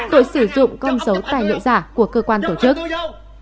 tội sử dụng con dấu tài liệu giả của cơ quan tổ chức